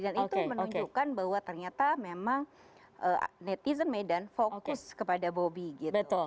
dan itu menunjukkan bahwa ternyata memang netizen medan fokus kepada bobi gitu